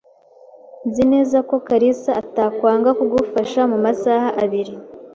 Nzi neza ko kalisa atakwanga kugufasha mumasaha abiri.